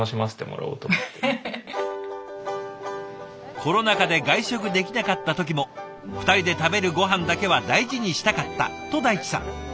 コロナ禍で外食できなかった時も２人で食べるごはんだけは大事にしたかったと大地さん。